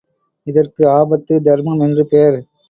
இதற்கு ஆபத்து தர்மம் என்று பெயர்.